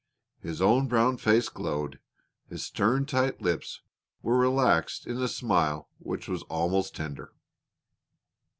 His own brown face glowed; his stern, tight lips were relaxed in a smile which was almost tender.